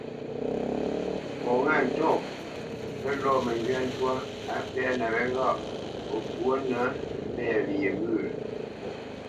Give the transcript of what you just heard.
Fɔ ŋâ ntɔ̂ pə́ lɔ̂ məngywá ntwá á pɛ́nə wé ŋgâʼ o ŋkwǒ nə mbɛ̂ wye wyə̂?